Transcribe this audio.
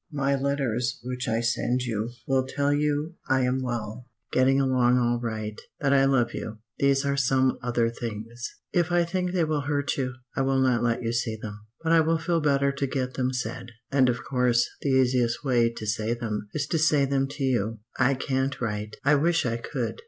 "My letters which I send you will tell you I am well, getting along all right, that I love you. These are some other things. If I think they will hurt you, I will not let you see them. But I will feel better to get them said, and of course the easiest way to say them is to say them to you. "I can't write. I wish I could.